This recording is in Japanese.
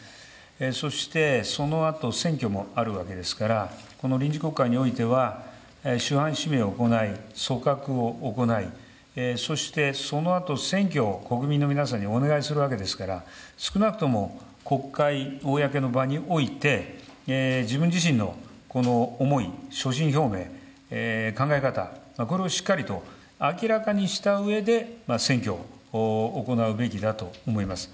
そしてそのあと、選挙もあるわけですから、この臨時国会においては、手腕しゅびを行い、組閣を行い、そしてそのあと選挙を国民の皆さんにお願いするわけですから、少なくとも国会、公の場において、自分自身のこの思い、所信表明、考え方、これをしっかりと明らかにしたうえで、選挙を行うべきだと思います。